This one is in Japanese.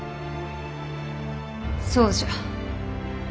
そうじゃ。